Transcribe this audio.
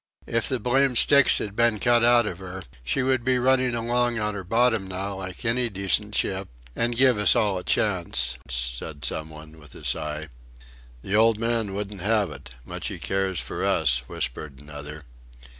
"If the blamed sticks had been cut out of her she would be running along on her bottom now like any decent ship, an' giv' us all a chance," said some one, with a sigh. "The old man wouldn't have it... much he cares for us," whispered another.